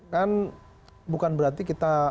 kan bukan berarti kita